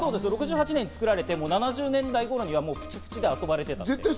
６８年に作られて７０年代にはプチプチで遊ばれていた。